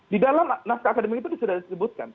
di dalam naskah akademik itu sudah disebutkan